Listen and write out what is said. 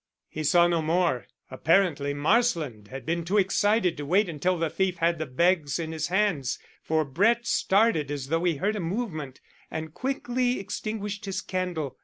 He saw no more. Apparently Marsland had been too excited to wait until the thief had the bags in his hands, for Brett started as though he heard a movement, and quickly extinguished his candle.